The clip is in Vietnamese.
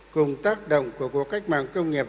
cùng tác động của cuộc cách mạng công nghiệp